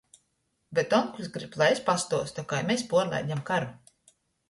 Bet onkuļs gryb, lai es pastuostu, kai mes puorlaidem karu.